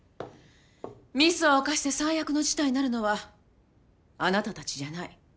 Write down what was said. ミスを犯して最悪の事態になるのはあなたたちじゃない。